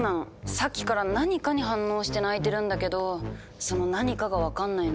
さっきから何かに反応して鳴いてるんだけどその何かが分かんないの。